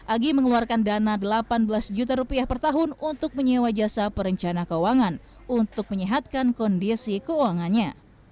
agi mengeluarkan dana delapan belas juta rupiah per tahun untuk menyewa jasa perencana keuangan untuk menyehatkan kondisi keuangannya